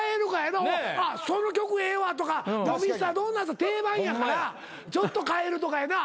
「その曲ええわ」とか「ミスタードーナツ」定番やからちょっと変えるとかやな。